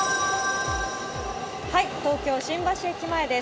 東京・新橋駅前です